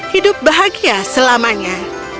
hidup bahagia selamanya